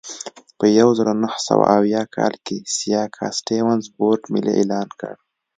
په یوه زرو نهه سوه اویا کال کې سیاکا سټیونز بورډ ملي اعلان کړ.